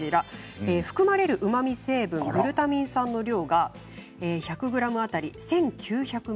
含まれる、うまみ成分グルタミン酸の量が１００ｇ当たり１９００ｍｇ。